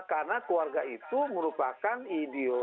karena keluarga itu merupakan ideo